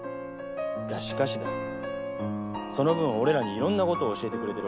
がしかしだその分俺らにいろんな事を教えてくれてるわけで。